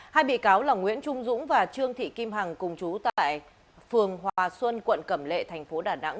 hai bị cáo là nguyễn trung dũng và trương thị kim hằng cùng chú tại phường hòa xuân quận cẩm lệ thành phố đà nẵng